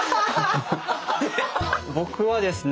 僕はですね